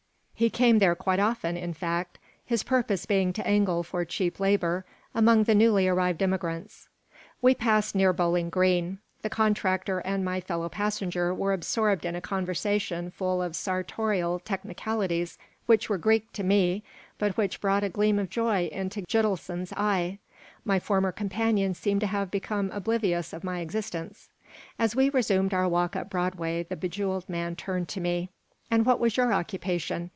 He came there quite often, in fact, his purpose being to angle for cheap labor among the newly arrived immigrants We paused near Bowling Green. The contractor and my fellow passenger were absorbed in a conversation full of sartorial technicalities which were Greek to me, but which brought a gleam of joy into Gitelson's eye. My former companion seemed to have become oblivious of my existence. As we resumed our walk up Broadway the bejeweled man turned to me "And what was your occupation?